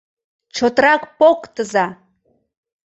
Чотрак поктыза!..